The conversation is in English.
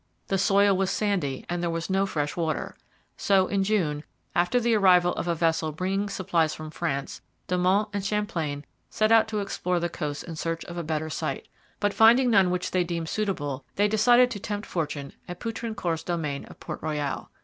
The soil was sandy and there was no fresh water. So, in June, after the arrival of a vessel bringing supplies from France, De Monts and Champlain set out to explore the coasts in search of a better site. But, finding none which they deemed suitable, they decided to tempt fortune at Poutrincourt's domain of Port Royal.